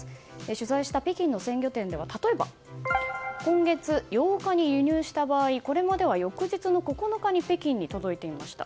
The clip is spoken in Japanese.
取材した北京の鮮魚店では例えば今月８日に輸入した場合これまでは翌日の９日に北京に届いていました。